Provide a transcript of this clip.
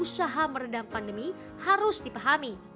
usaha meredam pandemi harus dipahami